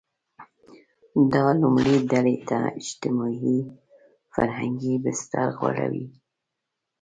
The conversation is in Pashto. دا لومړۍ ډلې ته اجتماعي – فرهنګي بستر غوړوي.